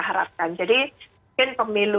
harapkan jadi mungkin pemilu